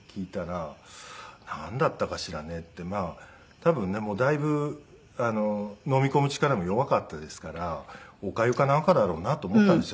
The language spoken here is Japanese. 多分だいぶ飲み込む力も弱かったですからおかゆかなんかだろうなと思ったんですよ